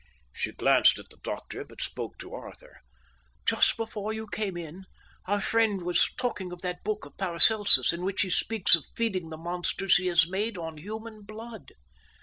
She glanced at the doctor, but spoke to Arthur. "Just before you came in, our friend was talking of that book of Paracelsus in which he speaks of feeding the monsters he has made on human blood."